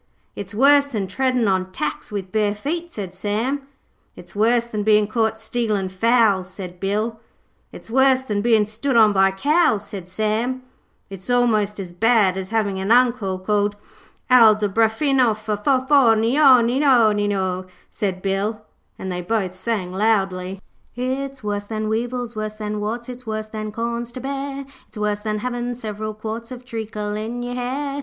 'It's worse than treading on tacks with bare feet,' said Sam. 'It's worse than bein' caught stealin' fowls,' said Bill. 'It's worse than bein' stood on by cows,' said Sam. 'It's almost as bad as havin' an uncle called Aldobrantifoscofornio,' said Bill, and they both sang loudly 'It's worse than weevils, worse than warts, It's worse than corns to bear. It's worse than havin' several quarts Of treacle in your hair.